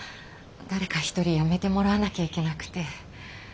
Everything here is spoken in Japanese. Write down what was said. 誰か１人辞めてもらわなきゃいけなくて。